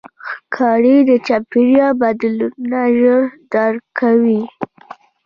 ښکاري د چاپېریال بدلونونه ژر درک کوي.